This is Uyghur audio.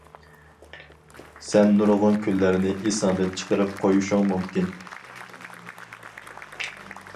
سەن نۇرغۇن كۈنلەرنى ئېسىڭدىن چىقىرىپ قويۇشۇڭ مۇمكىن.